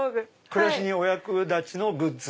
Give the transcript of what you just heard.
暮らしにお役立ちのグッズ？